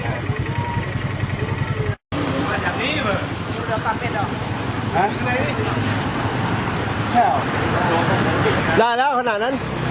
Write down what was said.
มันมาจากโบร์มข้างหน้านี้